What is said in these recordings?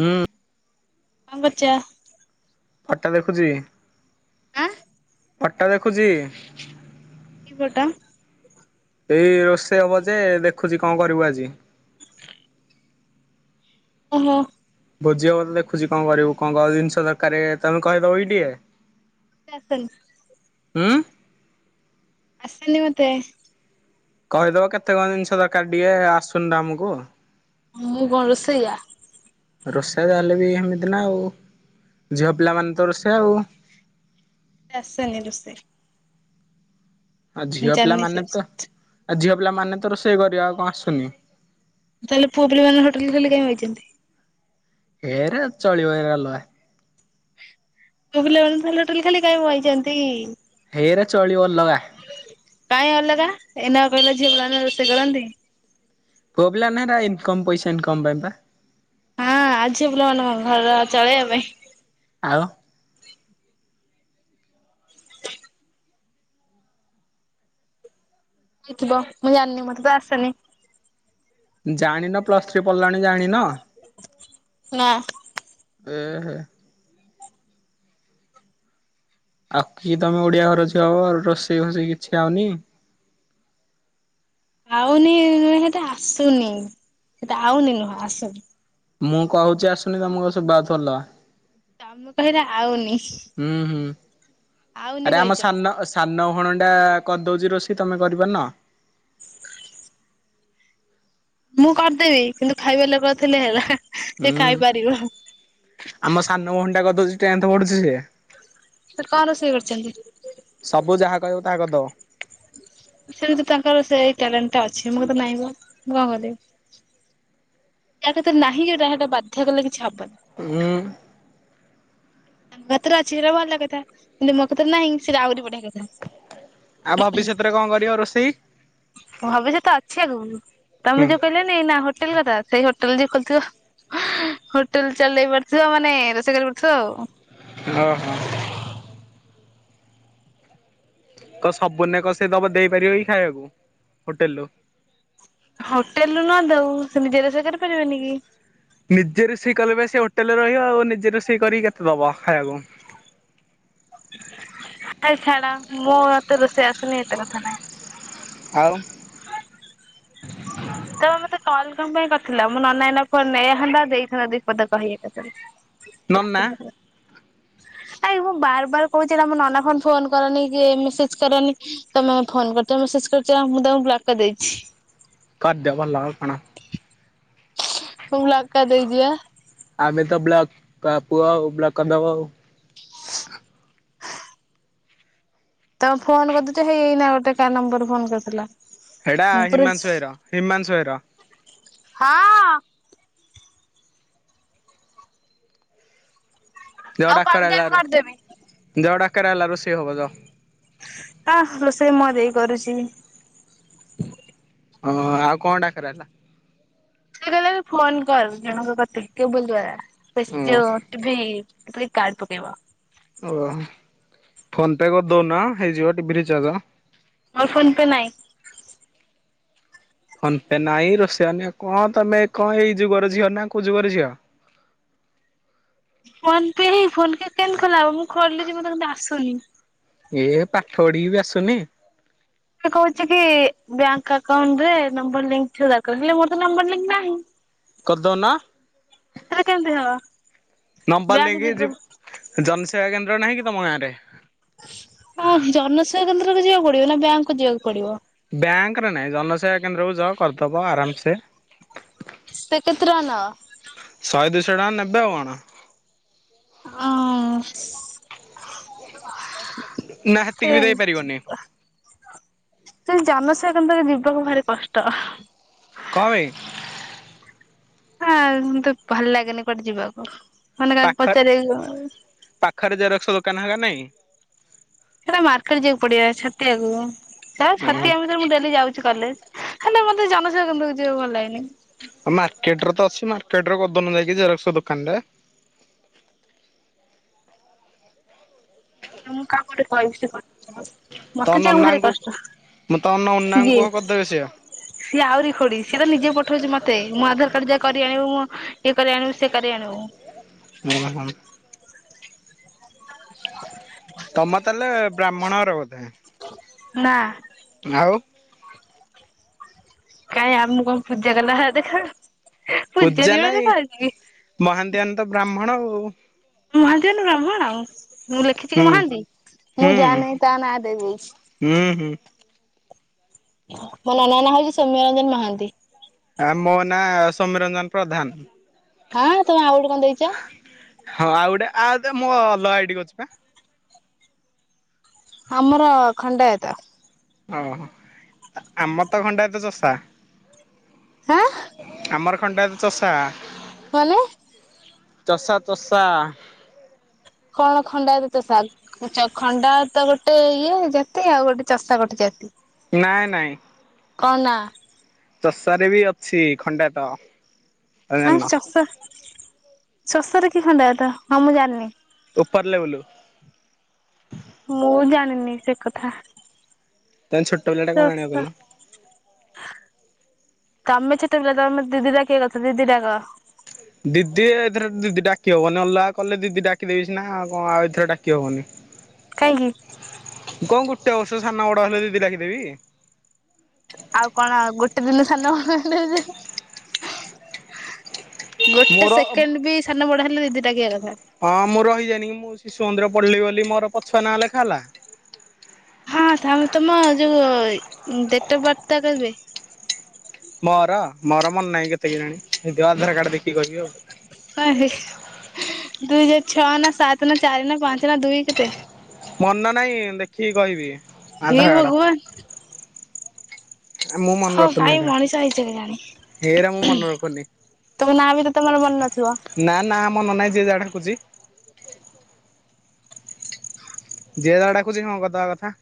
ହୁଁ। କଁ କରୁଚ? ଫଟ ଦେଖୁଚି। ଆଁ? ଫଟ ଦେଖୁଚି। କି ଫଟ? ଏଇ ରୋଷେଇ ହବ ଯେ ଦେଖୁଚି କଣ କରିବୁ ଆଜି। ଓହୋ। ଭୋଜି ହବ ତ ଦେଖୁଚି କଣ କରିବୁ କଣ କ ଜିନିଷ ଦରକାରେ ତମେ କହିଦବ କି ଟିକେ। [inaudible] ଉଁ? ଆସେନି ମତେ। କହିଦବ କେତେ କଣ ଜିନିଷ ଦକାରେ ଟିକେ, ଆସୁନି ତ ଆମୁକୁ। ମୁଁ କଣ ରୋଷେଇଆ? ରୋଷେଇଆ ଯା ହେଲେବି ହେମିତି ନା ଆଉ, ଝିଅ ପିଲାମାନେ ତ ରୋଷେୟା ଆଉ। ମତେ ଆସେନି ରୋଷେଇ। ଆଉ ମୁଁ ଝିଅ ଜାଣିନି ସେ ପିଲାମାନେ ତ ଆ ଝିଅ ପିଲାମାନେ ତ ରୋଷେଇ କରିବ, ଆଉ କଣ ଆସୁନି। ତାହେଲେ ପୁଅ ପିଲା ମାନେ ହୋଟେଲ୍ ଖୋଲି କାଇଁ ବଇଚନ୍ତି। ହେରେ ଚଳିବ ଏରା ଅଲଗା। ପୁଅ ପିଲା ମାନେ ତାହାଲେ ହୋଟେଲ୍ ଖୋଲି କାଇଁ ବଇଚନ୍ତି? ହେଇରା ଚଳିବ ଅଲଗା। କାଇଁ ଅଲଗା, ଏଇନା ବା କହିଲ ଝିଅ ପିଲାମାନେ ରୋଷେଇ କରନ୍ତି। ପୁଅ ପିଲା ମାନେ ହେରା ଇନକମ୍ ପଇସା ଇନକମ୍ ପାଇଁ ବା। ହଁ ଆଉ ଝିଅ ପିଲାମାନେ ଘର ଚଳେଇବା ପାଇଁ। ଆଉ [inaudible] ହେଇଥିବ ମୁଁ ଜାଣିନି ମତେ ତ ଆସେନି। ଜାଣିନ ପ୍ଲସ ଥ୍ରୀ ପଢିଲଣି ଜାଣିନ? ନା। ଏ ହେ। ଆଉ କି ତମେ ଓଡିଆ ଘର ର ଝିଅ ବ ରୋଷେଇ ଫୋସେଇ କିଛି ଆଉନି। ଆଉନି ନୁହେଁ ସେଇଟା ଆସୁନି ସେଟା ଆଉନି ନୁହଁ ଆସୁନି। ମୁଁ କହୁଛି ଆସୁନି ତମକୁ ସୂବା ଯାଉଥିବ ଅଲଗା। ତମେ କହିଲ ଆଉନି। ହୁଁ ହୁଁ ଆଉନି ଆରେ ଆମ କହିଚ। ସାନ ସାନ ଭଣଟା କରିଦଉଚି ରୋଷେଇ ତମେ କରିପାରୁନ। ମୁଁ କରିଦେବି କିନ୍ତୁ ଖାଇବା ଲୋକଥିଲେ ହେଲା ସେ ହୁଁ ଖାଇପାରିବ ଆମ ସାନ ଭଉଣୀ ଟା କରିଦଉଚି ଟେନ୍ଥ ପଢୁଚି ସେ। ତ କଣ ରୋଷେଇ କରିଛନ୍ତି? ସବୁ ଯାହା କହିବ ତାହା କରିଦବ। ସେମତି ତାଙ୍କର ସେଇ ଟ୍ୟାଲେଣ୍ଟ ଟା ଅଛି ମୁଁ କତିରେ ନାହିଁ ବା ମୁଁ କଣ କରିବି। ଯାହା କତୀରେ ନାହିଁ ସେଇଟା ବାଧ୍ୟ କଲେ କିଛି ହବନି। ହୁଁ। ତାଙ୍କ କତିରେ ଅଛି ସେଟା ଭଲ କଥା କିନ୍ତୁ ମୋ କତୀରେ ନାହିଁ ସେଇଟା ଆହୁରି ବଢିଆ କଥା। ଆଉ ଭବିଷ୍ୟତରେ କଣ କରିବ ରୋଷେଇ? ଭବିଷ୍ୟତ ଅଛି ଆଗକୁ ହୁଁ ତମେ ଯଉ କହିଲନି ଏଇନା ହୋଟେଲ କଥା ସେଇ ହୋଟେଲ ଯେ ଖୋଲିଥିବ ହୋଟେଲ ଚଲେଇ ପାରୁଥିବ ମାନେ ରୋଷେଇ କରିପାରୁଥିବ ଆଉ। ହଁ ହଁ। ତ ସବୁଦିନେ କଣ ସେ ଦବ ଦେଇପାରିବ କି ଖାଇବାକୁ ହୋଟେଲ ରୁ ହୋଟେଲ ରୁ ନ ଦଉ ସେ ନିଜେ ରୋଷେଇ କରିପାରିବନି କି? ନିଜେ ରୋଷେଇ କଲେ ବା ସେ ହୋଟେଲରେ ରହିବ ଆଉ ନିଜେ ରୋଷେଇ କରିକି କେତେ ଦବ ଖାଇବାକୁ। ଆରେ ଛାଡ ମୁଁ ଏତେ ରୋଷେଇ ଆସନି ଏତେ କଥା ନାଇଁ। ଆଉ। ତମେ ମତେ କଲ୍ କଣ ପାଇଁ କରିଥିଲ ମୋ ନନା ଏଇନା ଫୋନ ନେଇଥାନ୍ତା ଦେଇଥାନ୍ତା ଦିପଦ କହି ଏକା ଥରେ। ନନା ଆାଇ ମୁଁ ବାର ବାର କହୁଚି ଏଇଟା ମୋ ନନା ଫୋନ ଫୋନ କରନି କି ମେସେଜ କରନି ତମେ ଫୋନ କରିଚ ମେସେଜ କରିଚ ମୁଁ ତମଙ୍କୁ ବ୍ଲକ କରିଦେଇଚି। କରିଦିଅ ଭଲ ଆଉ କଣ? ମୁଁ ବ୍ଲକ କରିଦେଇଚି ବା। ଆମେ ତ ବ୍ଲକ ପୁଅ ଆଉ ବ୍ଲକ କରିଦବ ଆଉ। ତାକୁ ଫୋନ କରିଦେଇଥିନି ହେଇ ଏଇନା ଗୋଟେ କାହା ନମ୍ବରରୁ ଫୋନ କରିଥିଲା। ଏଇଟା ମୁଁ ପୁରା ହିମାଂଶୁ ଭାଇ ର ହିମାଂଶୁ ଭାଇ ର। ହଁ। ଯାଅ ଆଉ ଡାକରା ହେଲା କରିଦେବି କରିଦେବି ଯାଅ ଡାକରା ହେଲା ରୋଷେଇ ହବ ଯାଅ। ଆ ରୋଷେଇ ମୋ ଦେଇ କରୁଚି। ଓହ ଆଉ କଣ ଡାକରା ଆଇଲା? ସିଏ କହିଲା କି ଫୋନ୍ କର ଜଣଙ୍କ କତି କି କେବୁଲ ଦ୍ଵାରା ଓ ଯଉ ଟିଭି ପ୍ରି କାଡ ପକେଇବ। ଓହ ଫୋନ ପେ କରିଦଉନ ହେଇଯିବ ଟିଭି ରିଚାର୍ଜ। ମୋର ଫୋନ ପେ ନାଇଁ। ଫୋନ ପେ ନାଇଁ ରୋଷେଇବନି କଣ ତମେ କଣ ଏଇ ଯୁଗର ଝିଅ ନା କଉ ଯୁଗର ଝିଅ? ଫୋନ ପେ ହିଁ ଫୋନ ପେ କେମିତି ଖୋଲା ହବ ମୁଁ ଖୋଲିଚି ମତେ କିନ୍ତୁ ଆସୁନି। ଏ ପାଠ ପଢିକି ବି ଆସୁନି। ସେ କହୁଛି କି ବ୍ୟାଙ୍କ ଆକାଉଣ୍ଟ ରେ ନମ୍ବର ଲିଙ୍କ ଥିବା ଦରକାର ହେଲେ ମୋର ତ ନମ୍ବର ଲିଙ୍କ ନାହିଁ। କରିଦଉନ। ସେଟା କେମିତି ହବ। ନମ୍ବର ବ୍ୟାଙ୍କ ନେଇକି ଯିବ ଯି ଜନସେବା କେନ୍ଦ୍ର ନାହିଁ କି ତମ ଗାଁରେ। ଆ ଜନସେବା କେନ୍ଦ୍ରକୁ ଯିବାକୁ ପଡିବ ନା ବ୍ୟାଙ୍କକୁୁ ଯିବାକୁ ପଡିବ। ବ୍ୟାଙ୍କରେ ନାହିଁ ଜନସେବା କେନ୍ଦ୍ରକୁ ଯଅ କରିଦବ ଆରାମସେ। ସିଏ କେତେ ଟଙ୍କା ନବ? ଶହେ ଦୁଇଶହ ଟଙ୍କା ନେବେ ଆଉ କଣ। ହଁ। ନା ହେତିକି ବି ଦେଇ ପାରିବନି। ସେଇ ଜନସେବା କେନ୍ଦ୍ର ଯିବାକୁ ଭାରି କଷ୍ଟ। କଁ ପାଇଁ? ହାଁ ମତେ ଭଲ ଲାଗେନି କୁଆଡେ ଯିବାକୁ ମାନେ କାହାକୁ ପାଖରେ ପଚାରି ଵ କଣ ପାଖରେ ଜେରକ୍ସ ଦୋକାନ ହେକା ନାଇଁ? ସେଟା ମାର୍କେଟ ଯିବାକୁ ପଡିବ ଛତିଆକୁ ସେ ହୁଁ ଛତିଆ ଭିତରେ ମୁଁ ଡେଲି ଯାଉଛି। କଲେଜ ହେଲେ ମତେ ଜନସେବା କେନ୍ଦ୍ର କୁ ଯିବାକୁ ଭଲ ଲାଗେନି। ମାର୍କେଟରେ ତ ଅଛି ମାର୍କେଟରେ କରି ଦଉନ ଯାଇକି ଜେରକ୍ସ ଦୋକାନ ରେ। ମୁଁ କାହା ଗୋଟେ କହିବି ସେ କରିଦବ। ତମ ମତେ ଯିବାକୁ ଭାରି କଷ୍ଟ ନନାଙ୍କୁ ତମ ନନାଙ୍କୁ ସିଏ କୁହ କରିଦେବେ ସେଏ। ସିଏ ଆହୁରି ଖୋଡି ସିଏ ତ ନିଜେ ପଠୋଉଛି ମତେ ମୋ ଆଧାର କାର୍ଡ ଯା କରି ଆଣିବୁ ମୋ ଇଏ କରି ଆଣିବୁ ସେ କରି ଆଣିବୁ। ମୋ ପହାକୁ ଆଣୁନୁ। [unintelligible] ତମ ର ତାହେଲେ ବ୍ରାହ୍ମଣ ଘର ବୋଧେ। ନାଁ। ଆଉ। କାଇଁ ଆମେ କଣ ପୂଜା କଲା ଭଳିଆ ଦେଖାଯାଉଚୁ। ପୂଜା ନାଇଁ ମହାନ୍ତି ମାନେ ତ ବ୍ରାହ୍ମଣ ଆଉ। ମହାନ୍ତି ମାନେ ବ୍ରାହ୍ମଣ ମୁଁ ଲେଖିଛି କି ମହାନ୍ତି ହୁଁ ମୁଁ ଯାହା ନାହିଁ ତାହା ନାଁ ଦେଇଦଉଛି। ହୁଁ ହୁଁ। ମୋ ନନା ନାଁ ହଉଛି ସୌମ୍ୟରଞ୍ଜନ ମହାନ୍ତି। ଆ ମୋ ନାଁ ସୋମ୍ୟରଞ୍ଜନ ପ୍ରଧାନ। ହାଁ ତମେ ଆଉ ଗୋଟେ କଣ ଦେଇଚ। ହଁ ଆଉ ଗୋଟେ ଆଉ ମୁଁ ଅଲଗା ଆଇଡି କରିଛି ପା। ଆମର ଖଣ୍ଡାୟତ। ଓହୋ ଆମ ର ଖଣ୍ଡାୟତ ଚଷା। ହାଁ ଆମର ଖଣ୍ଡାୟତ ଚଷା। ମାନେ। ଚଷା ତଷା। କଣ ଖଣ୍ଡାୟତ ଚଷା। ଆଚ୍ଛା ଖଣ୍ଡାୟତ ଗୋଟେ ଇଏ ଜାତି ଆଉ ଗୋଟେ ଚଷା ଗୋଟେ ଜାତି। ନାଇଁ ନାଇଁ। କଣ ନାଁ। ଚଷା ରେ ବି ଅଛି ଖଣ୍ଡାୟତ। ତମେ ହାଁ ଜାଣିନ ଚଷା ଚଷା ରେ କି ଖଣ୍ଡାୟତ ହଁ ମୁଁ ଜାଣିନି। ଉପର ଲେବୁଲ। ମୁଁ ଜାଣିନି ସେ କଥା ତମେ ଛୋଟ ପିଲାଟା କଣ ଜାଣିବ ଚଷା। କହିଲ? ତମେ ଛୋଟ ପିଲା ତମେ ମୋତେ ଦିଦି ଡାକିବା କଥା ଦିଦି ଡାକ। ଦିଦି ଏଥରେ ଦିଦି ଡାକି ହବନି ଅଲଗା କଲେ ଦିଦି ଡାକିଦେବି ସିନା କଣ ଆଉ ଏଇଥିରେ ଡାକି ହବନି। [unintelligible] କାହିଁକି? କଣ ଗୁଟେ ବର୍ଷ ସାନ ବଡ ହେଲେ ଦିଦି ଡାକି ଦେବି। ଆଉ କଣ ଗୋଟେ ଦିନ ସାନ ହେଲେ ଗୋଟେ ମୋର ସେକେଣ୍ଡ ବି ସାନ ବଡ ହେଲେ ଦିଦି ଡାକିବା କଥା। ହଁ ମୁଁ ରହିଯାଆଇନି କି ମୁଁ ଶିଶୁ ମନ୍ଦିର ପଢିଲି ବୋଲି ମୋର ପଛୁଆ ନାଁ ଲେଖା ହେଲା। ହଁ ତମ ଯୋଉ ଡେଟ୍ ଅଫ୍ ବାର୍ଥ ଟା କେବେ? ମୋର ମୋର ମନେ ନାହିଁ କେତେ କେଜାଣି ହେଇଥିବ ଆଧାର କାର୍ଡ଼ ଦେଖିକି କହୀବି ଆଉ। ହ ଦୁଇ ହଜାର ଛଅ ନା ସାତ ନା ଚାରି ନା ପାଞ୍ଚ ନା ଦୁଇ କେତେ? ମନ ନାଇଁ ଦେଖିକି କହିବି। ହେଇ ଆଧାର କାର୍ଡ ଭଗବାନ। ମୁଁ ମନେ ହଁ ରଖୁନି କାହିଁ ହେରା। ମଣିଷ ହେଇଚ ହେରା ମୁଁ କେଜାଣି। ମନେ ରଖୁନି ତମ ନାଁ ବି ତମର ମନ ନଥିବ। ନା ନା ମନ ନାହି ଯିଏ ଯାହା ଡାକୁଛି। ଯିଏ ଯାହା ଡାକୁଛି ହଁ କରିଦବା କଥା।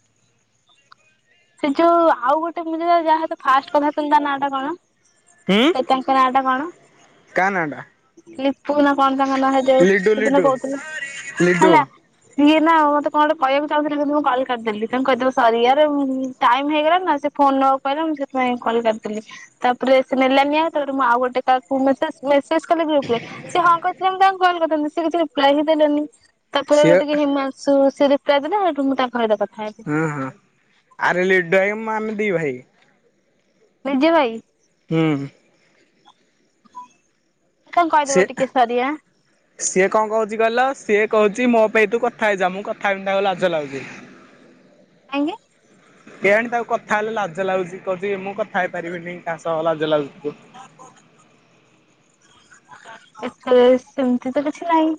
ସେ ଯୋଉ ଆଉ ଗୋଟେ ମୁ ଯାହା ହତ ଫାଷ୍ଟ କଥା ହୋଉଥିଲି ତା ନା ଟା କଣ? ହୁଁ। କ ତାଙ୍କ ନାଟା କଣ? କା ନାଁ ଟା ଲିପୁ ନା କଣ ତାଙ୍କ ନା ଲିଡୁ ହେଦିନ ଲିଡୁ କହୁଥିଲ ଲିଡୁ ହେଲା। ସିଏ ନା ମତେ କଣ ଗୋଟେ କଣ କହିବାକୁ ଚାହୁଁଥିଲେ କିନ୍ତ ମୁ କଲ କାଟଦେଲିି ତାଙ୍କୁ କହିଦେବ ସରି ଯାରେ ମୁ ଟାଇମ ହେଇଗଲା ନା ସେ ଫୋନ ନବାକୁ କହିଲା ମୁଁ ସେଥିପାଇଁ କଲ କାଟିଦେଲି। ତାପରେ ସେ ନେଲାନିଆ ତାପରେ ମୁଁ ଆଉ ଗୋଟେ କାହାକୁ ମେସେଜ ମେସେଜ କଲି ଗ୍ରୁପ୍ ରେ ସେ ହଁ କହିଥିଲେ ମୁ ତାଙ୍କୁ କଲ୍ କରିଥାନ୍ତି ସେ କିଛି ରିପ୍ଲାଏ ହିଁ ଦେଲନି। ତାପରେ ସିଏ ଗୋଟେ କି ହିମାଂଶୁ ସିଏ ରିପ୍ଲାଏ ଦେଲେ, ସେଇଠୁ ମୁଁ ତାଙ୍କ ସହିତ କଥାହେଲି। ହଁ ହଁ ଆରେ ଲିଡୁ ଆମେ ଦି ଭାଇ। ନିଜ ଭାଇ। ହୁଁ। ତାଙ୍କୁ ସିଏ କହିଦେବ ଟିକେ ସରି ଆ। ସିଏ କଣ କହୁଛି କହିଲ ସିଏ କହୁଛି ମୋ ପାଇଁ ତୁ କଥା ହେଇଯା, ମୁଁ କଥା ହେଇଯା ତାକୁ ଲାଜ ଲାଗୁଛିି। କାହିଁକି? କେଆଣି ତାକୁ କଥା ହେଲେ ଲାଜ ଲାଗୁଚି କହୁଛି ମୁଁ କଥା ହେଇପାରିବିନି କାହା ସହ ଲାଜ ଲାଗୁଛି ତୁ ଏଥେରେ ସେମିତି ତ କିଛି ନାହିଁ।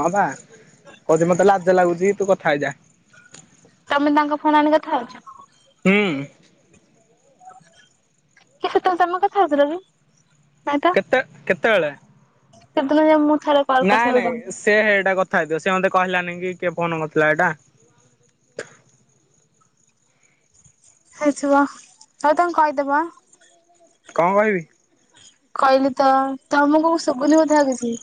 ହଁ ବା କହୁଛି ମତେ ଲାଜ ଲାଗୁଚି ତୁ କଥା ହେଇଯା। ତମେ ତାଙ୍କ ଫୋନ ଆଣି କଥା ହଉଛ। ହୁଁ। କି ସେତଳେ ତମ କଥା ହଉଥିଲ କି ନାଇ କେତେ କେତେବେଳେ ସେଦିନ ଯା ମୁଁ ଥରେ କଲ୍ ନାଇଁ କରିଥିଲି ତମକୁ। ନାଇଁ ସେ ଏଇଟା କଥା ହେଇଥିବ, ସେ ମୋତେ କହିଲାନି କି କିଏ ଫୋନ କରିଥିଲା ଏଇଟା। ହେଇଥିବ, ହଉ ତାଙ୍କୁ କହିଦବ ଆ। କଣ କହିବି? କହିଲି ତ ତମକୁ ଶୁବିନି ବୋଧେ ଆଉ କିଛି।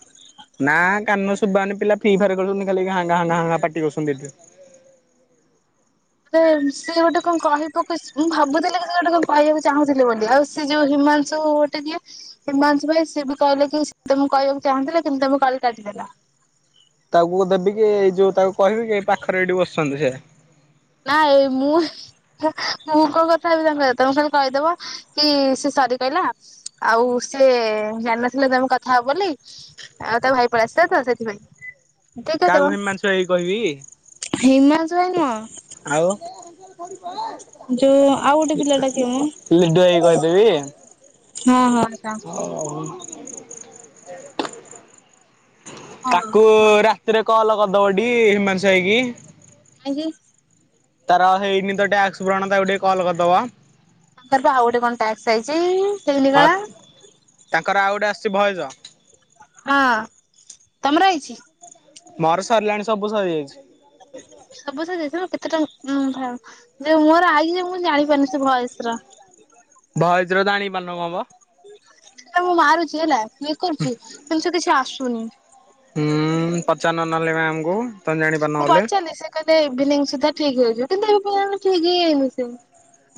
ନା କାନ ଶୁଭାହଉନି ପିଲା ଫ୍ରି ଫାୟାର ଖେଳୁଛନ୍ତି, ଖାଲି ଘାଁ ଘାନ୍ ଘାଂ ପାଟି କରୁଛନ୍ତି। ସେ ସିଏ ଗୋଟେ କଣ କହିବାକୁ ମୁଁ ଭାବୁଥିଲି କି ସେ ଗୋଟେ କଣ କହିବାକୁ ଚାହୁଁଥିଲେ ବୋଲି ଆଉ ସେ ଯୋଉ ହିମାଂଶୁ ଗୋଟେ ଯିଏ ହିମାଂସୁ ଭାଇ ସିଏ ବି କହିଲେ କି ସେ ତମଁ କହିବାକୁ ଚାହୁଁଥିଲା କିନ୍ତୁ ତମେ କଲ କାଟିଦେଲ। ତାକୁ ଦେବି କି ଏଇ ଯୋଉ ତାକୁ କହିବି କି ଏଇ ପାଖରେ ଏଇଠି ବସିଛନ୍ତି ସିଏ। ନା ଏ ମୁଁ ମୁଁ କଁ କଥା ହେବି ତାଙ୍କ ସହିତ ତମେ ଖାଲି କହିଦବ। କି ସେ ସରି କହିଲା ଆଉ ସିଏ ଜାଣିନଥିଲେ ତମେ କଥା ହବ ବୋଲି ଆଉ ତା ଭାଇ ପଳେଇ ଆସିଲା ତ ସେଥିପାଇଁ। ଏତିକି କାହାକୁ କହିଦବ, ହିମାଂଶୁ ଭାଇ କି କହିବି। ହିମାଶୁ ଭାଇ ନୁହଁ। ଆଉ ଲିଡ଼ୁ ଭାଇକି ଯୋଉ ଆଉ ଗୋଟେ ପିଲାଟା କିଏ ମ କହିଦେବି। ହଁ ହଁ [unintelligible] ହଁ ତାକୁ ହଁ ରାତିରେ କଲ କରିଦବଟିକେ ହିମାଂସୁ ଭାଇକି। କାହିଁକି? ତାର ହେଇନି ତ ଟ୍ୟାକ୍ସ ପୂରଣ ତାକୁ ଟିକେ କଲ କରିଦବ। ତାଙ୍କର ପା ଆଉ ଗୋଟେ କଣ ଟ୍ୟାକ୍ସ ଆଇଚି ହେଇନି ହଁ କଣ? ତାଙ୍କର ଆଉ ଗୋଟେ ଆସିଚି ଭଏଜ। ହଁ ତମର ଆଇଚି? ମୋର ସରିଲାଣି ସବୁ ସରିଯାଇଛି। ସବୁ ସରିଯାଇଚି [unintelligible] ଯେ ମୋର ଆଇଚି ଯେ ମୁଁ ଜାଣିପାରୁନି ସେ ଭଏସ ରା। ଭଏଜ ର ଜାଣି ପାରୁନ [unintelligible] ହେଲେ ମୁଁ ମାରୁଚି ହେଲା କ୍ଲିକ୍ କରୁଚି କିନ୍ତୁ ସେ କିଛି ଆସୁନି। ହୁଁ ପଚାରୁନ ନହେଲେ ମ୍ୟାମ୍ ଙ୍କୁ। ମୁଁ ପଚାରିଲି ସେ କହିଲେ ଇଭିନିଙ୍ଗ ସୁଦ୍ଧା ଠିକ ହେଇଯିବ କିନ୍ତୁ ଏବେ ପର୍ଯ୍ୟନ୍ତ ଠିକ୍ ହେଇନି ସିଏ।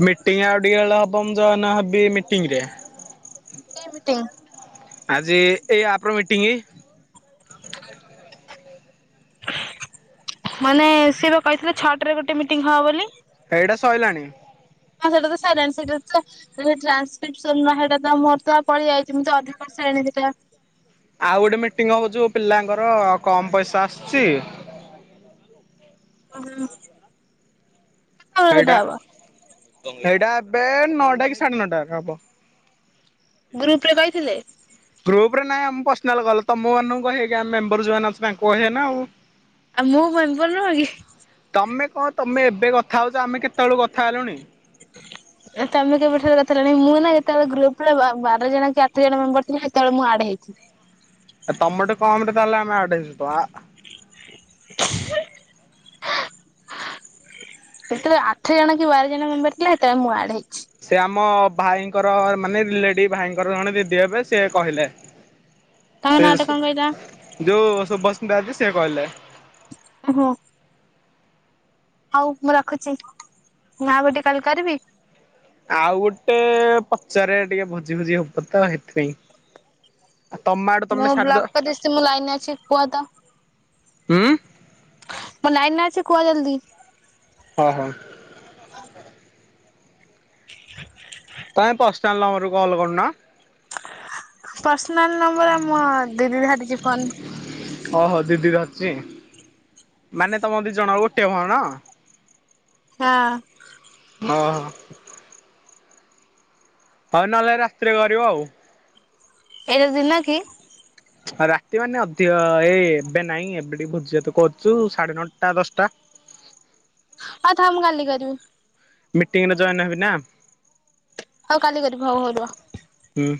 ମିଟିଂ ଆଉ ଟିକେବେଳେ ହବ ମୁଁ ଜଏନ ହବି ମିଟିଙ୍ଗ ରେ। କେ ମିଟିଙ୍ଗ ଆଜି ଏଇ ଆପର ମିଟିଙ୍ଗ। ମାନେ ସିଏ ବା କହିଥିଲେ ଛଅଟ ରେ ଗୋଟେ ମିଟିଂ ହବ ବୋଲି। ଏଇଟା ସଇଲାଣି। ହଁ ସେଟା ତ ସଇଲାଣି ସେଇଟା ର ତ [unintelligible] ଟ୍ରାନକ୍ରିପସନ୍ ର ହେଇଟା ତ ମୋର ତ ପଳିଆଇଚି ମୁଁ ତ ଅଧା କରସାଇଲିଣି ସେଟା। ଆଉ ଗୋଟେ ମିଟିଙ୍ଗ ହବ ଯୋଉ ପିଲାଙ୍କର କମ୍ ପଇସା ଆସୁଚି। ହୁଁ। ହେଇଟା ହେଇଟା ଏବେ ନଅଟା କି ସାଢେ ନଅଟା ରେ ହବ। ଗ୍ରୁପ୍ ରେ କଇଥିଲେ? ଗ୍ରୁପ୍ ରେ ନାଇଁ ଆମ ପର୍ସନାଲ ଗଲେ ତମ ମାନଙ୍କୁ କହିବେକି ଆମ ମେମ୍ବର ଯୋଉମାନେ ଅଛି ତାଙ୍କୁ କହିବେ ନା ଆଉ। ଆଉ ମୁଁ ମେମ୍ବର ନୁହଁ କି? ତମେ କଣ ତମେ ଏବେ କଥା ହଉଚ ଆମେ କେତବେଳୁ କଥା ହେଲୁଣି? ତମେ କେବେଠାରୁ କଥାହେଲଣି ମୁଁ ନା ଯେତବେଳେ ଗ୍ରୁପରେ ବା-ବାର ଜଣ କି ଆଠ ଜଣ ମେମ୍ବର ଥିଲା ସେତବେଳେ ମୁଁ ଆଡ ହେଇଚି। ତମଟେ କମରେ ତାହେଲେ ଆମେ ଆଡ୍ ହେଇଚୁ ତ। କେତଳେ ଆଠ ଜଣ କି ବାର ଜଣ ମେମ୍ବର ଥିଲେ ସେତବେଳେ ମୁଁ ଆଡ ହେଇଛି। ସେ ଆମ ଭାଇଙ୍କର ମାନେ ରିଲେଟିଭ୍ ଭାଇଙ୍କର ଜଣେ ଦିଦି ହେବେ ସିଏ କହିଲେ। ତମ ସେ ନାଁ ଯୋଉ ଟା କଣ କହିଲ? ସୁ ଯୋଉ ଶୁଭସ୍ମିତା ଅଛି ସିଏ କହିଲା। ଓ ହୋ। ହଉ ମୁଁ ରଖୁଚି ମୁଁ ଆଉ ଗୋଟେ କଲ କରିବି? ଆଉ ଗୋଟେ ପଚାରେ ଟିକେ ଭୋଜି ଫୋଜି ହବ ତ ହେଇଥିପାଇଁ। ମୁଁ ବ୍ଲକ୍ କଦେଇସି ମୁଁ ଲାଇନରେ ଅଛି କୁହ ତ। ହୁଁ। ମୁଁ ଲାଇନରେ ଅଛି କୁଅ ଜଲଦି। ଓ ହୋ। ହ [unintelligible] ତମେ ପରସନାଲ ନମ୍ବର ରୁ କଲ୍ କରୁନା। ପରସନାଲ ନମ୍ବର ମୋ ଦିଦି ଧରିଚି ଫୋନ। ଓହୋ ଦିଦି ଧରିଚି ମାନେ ତମ ଦି ଜଣ ଗୋଟିଏ ଭଣ? ହଁ। ଓହୋ। ହଉ ନହେଲେ ରାତିରେ କରିବ ଆଉ। ଏଇରା ଦିନ କି? ରାତି ମାନେ ଅଧିକ ଏଇ ଏବେ ନାଇଁ ଏବେ ଟିକେ ଭୋଜି ଭାତ କରୁଚୁ ସାଢେ ନଅଟା ଦଶଟା। ହ [inaudible] ଅ ଥାଉ ମୁଁ କାଲି କରିବି। ମିଟିଂରେ ଜଏନ ହେବି ନା। ହଉ କାଲି କରିବି, ହଉ ହଉ ରୁହ। ହୁଁ।